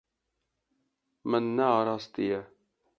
Min nearastiye.